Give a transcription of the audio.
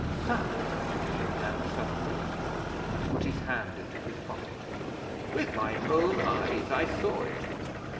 'South?' said Dan suddenly, and put his hand into his pocket. 'With my own eyes I saw it.